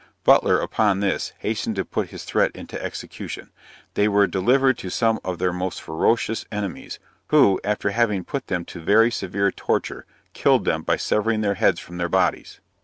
Butler, upon this, hastened to put his threat into execution. They were delivered to some of their most ferocious enemies, who, after having put them to very severe torture, killed them by severing their heads from their bodies.